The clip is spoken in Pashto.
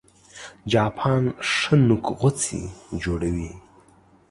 چاپان ښه نوک غوڅي جوړوي